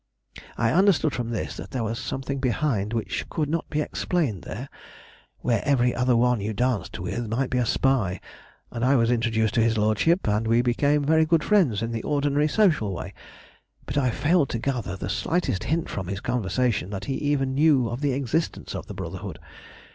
"I understood from this that there was something behind which could not be explained there, where every other one you danced with might be a spy, and I was introduced to his Lordship, and we became very good friends in the ordinary social way; but I failed to gather the slightest hint from his conversation that he even knew of the existence of the Brotherhood.